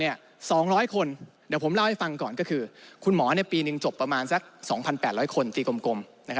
๒๐๐คนเดี๋ยวผมเล่าให้ฟังก่อนก็คือคุณหมอปีหนึ่งจบประมาณสัก๒๘๐๐คนตีกลม